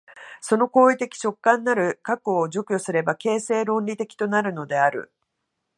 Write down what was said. その行為的直観的なる核を除去すれば形式論理的となるのである。